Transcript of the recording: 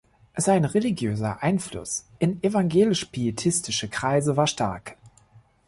Sein religiöser Einfluss in evangelisch-pietistische Kreise war stark.